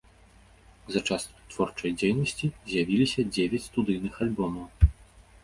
За час творчай дзейнасці з'явіліся дзевяць студыйных альбомаў.